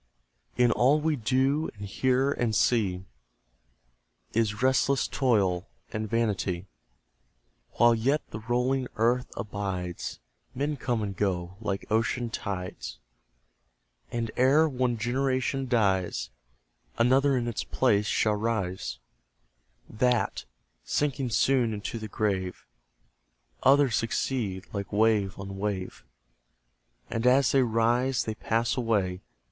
In all we do, and hear, and see, Is restless Toil and Vanity. While yet the rolling earth abides, Men come and go like ocean tides; And ere one generation dies, Another in its place shall rise; THAT, sinking soon into the grave, Others succeed, like wave on wave; And as they rise, they pass away.